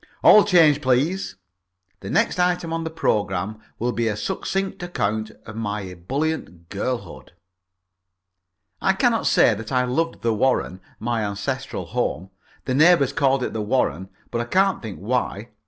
All change, please. The next item on the programme will be a succinct account of my ebullient girlhood. I cannot say that I loved the Warren, my ancestral home. The neighbours called it the Warren, but I can't think why.